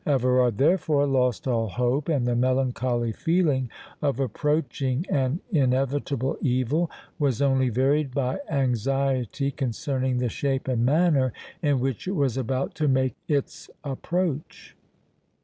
Everard, therefore, lost all hope, and the melancholy feeling of approaching and inevitable evil, was only varied by anxiety concerning the shape and manner in which it was about to make its approach.